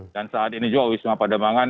dan saat ini juga wisma pademangan